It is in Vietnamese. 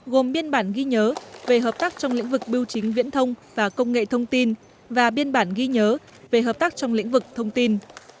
gồm biên bản ghi nhớ về hợp tác trong lĩnh vực biểu chính viễn thông và công nghệ thông tin và biên bản ghi nhớ về hợp tác trong lĩnh vực thông tin